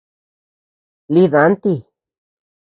Lï danti.